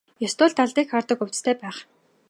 Ёстой л далдыг хардаг увдистай байх.